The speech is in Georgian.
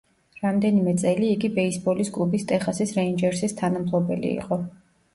რამდენიმე წელი იგი ბეისბოლის კლუბის ტეხასის რეინჯერსის თანამფლობელი იყო.